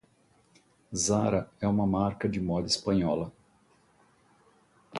Zara é uma marca de moda espanhola.